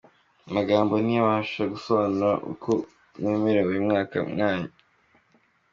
Amagambo ntiyabasha gusobanura uko merewe muri uyu mwanya.